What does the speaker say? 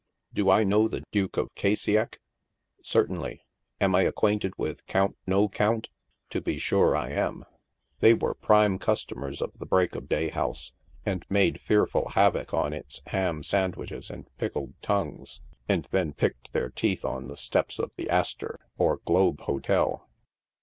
Do I know the Duke of Ka ciac? Certainly. Am I acquainted with Count Nocount? To be sure I am. They were prime customers of the Break of Day House, and made fearful havoc on its ham sandwiches and pickled tongues, and then picked their teeth on the steps of the Astor or Globe Hotel.